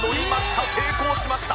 成功しました！